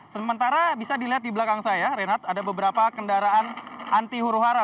sementara bisa dilihat di belakang saya reinhardt ada beberapa kendaraan anti huru hara